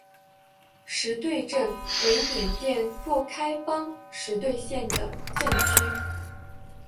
实兑镇为缅甸若开邦实兑县的镇区。